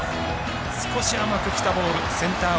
少し甘くきたボールセンター